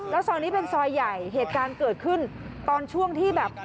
แล้วซอยนี้เป็นซอยใหญ่เหตุการณ์เกิดขึ้นตอนช่วงที่แบบ